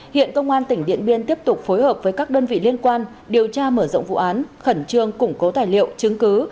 hiện công an tỉnh điện biên tiếp tục phối hợp với các đơn vị liên quan điều tra mở rộng vụ án khẩn trương củng cố tài liệu chứng cứ